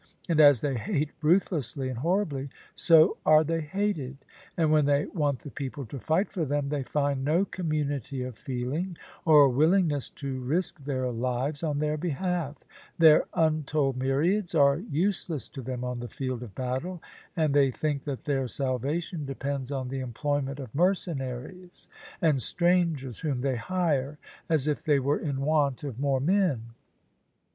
And as they hate ruthlessly and horribly, so are they hated; and when they want the people to fight for them, they find no community of feeling or willingness to risk their lives on their behalf; their untold myriads are useless to them on the field of battle, and they think that their salvation depends on the employment of mercenaries and strangers whom they hire, as if they were in want of more men.